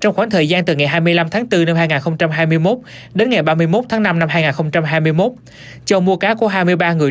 trong khoảng thời gian từ ngày hai mươi năm tháng bốn năm hai nghìn hai mươi một đến ngày ba mươi một tháng năm năm hai nghìn hai mươi một châu mua cá của hai mươi ba người